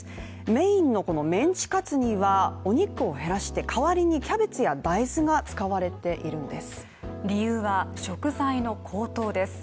メインのこのメンチカツにはお肉を減らして代わりにキャベツや大豆が使われているんです理由は、食材の高騰です。